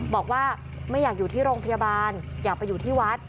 บอกว่าไม่อยากอยู่ที่โรงพยาบาลอยากไปอยู่ที่วัด